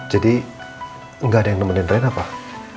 jadi gak ada yang nemenin rina pak